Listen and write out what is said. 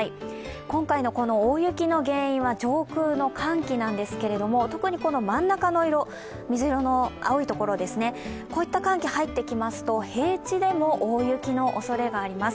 今回の大雪の原因は上空の寒気なんですけど特に真ん中の色、青いところですねこういった寒気入ってきますと平地でも大雪のおそれがあります。